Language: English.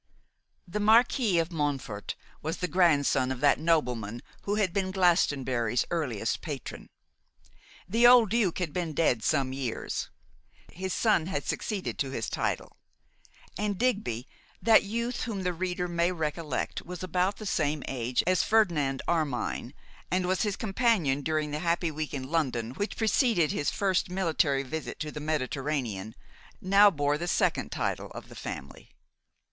THE Marquis of Montfort was the grandson of that nobleman who had been Glastonbury's earliest patron. The old duke had been dead some years; his son had succeeded to his title, and Digby, that youth whom the reader may recollect was about the same age as Ferdinand Armine, and was his companion during the happy week in London which preceded his first military visit to the Mediterranean, now bore the second title of the family.